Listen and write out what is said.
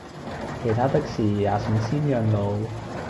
其他的事也請先讓路